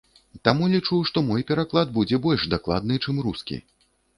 Таму лічу, што мой пераклад будзе больш дакладны, чым рускі.